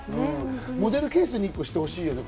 モデルケースにしてほしいね。